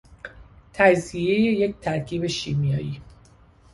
تجزیهی یک ترکیب شیمیایی